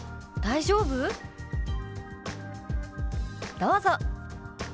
どうぞ。